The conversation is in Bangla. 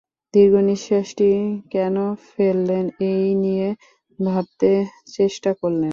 দীর্ঘ নিঃশ্বাসটি কেন ফেললেন, এই নিয়ে ভাবতে চেষ্টা করলেন।